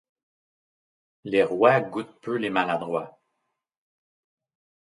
Les rois goûtent peu les maladroits.